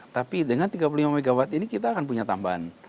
tapi dengan tiga puluh lima mw ini kita akan punya tambahan